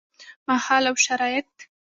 مهال او شرايط: